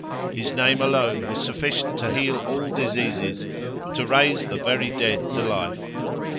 His name alone was sufficient to heal all diseases; to raise the very dead to life.